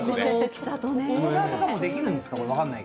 オーダーとかもできるんですか？